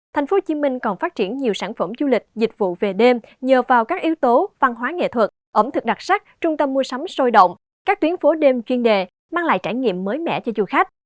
tp hcm còn phát triển nhiều sản phẩm du lịch dịch vụ về đêm nhờ vào các yếu tố văn hóa nghệ thuật ẩm thực đặc sắc trung tâm mua sắm sôi động các tuyến phố đêm chuyên đề mang lại trải nghiệm mới mẻ cho du khách